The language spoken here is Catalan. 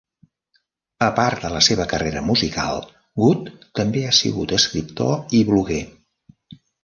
A part de la seva carrera musical, Good també ha sigut escriptor i bloguer.